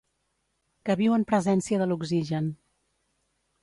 Que viu en presència de l'oxigen.